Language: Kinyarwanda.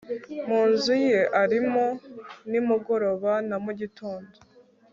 mu nzu ye arimo, nimugoroba na mugitondo